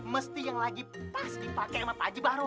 mesti yang lagi pas dipakai sama pak haji baru